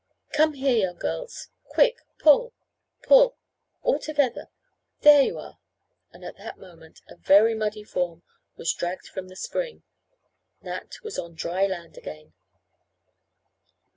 Come here young girls. Quick! Pull! Pull! Altogether! There you are!" and, at that moment, a very muddy form was dragged from the spring. Nat was on dry land again.